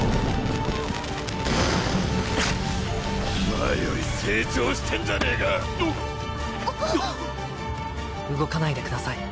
前より成長してんじゃねえかおっ動かないでください